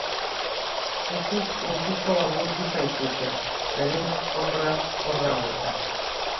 Ez dut betiko agur gisa ikusten, beren obra hor dago eta.